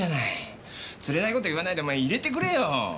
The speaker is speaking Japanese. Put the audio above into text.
つれないこと言わないでお前淹れてくれよ。